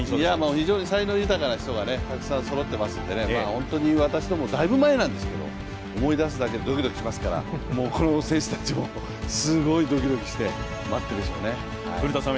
非常に才能豊かな人がたくさんそろっていますので、本当に私ども、だいぶ前なんですけれども、思い出すだけでドキドキしますからこの選手たちもすごいドキドキして待ってるんでしょうね。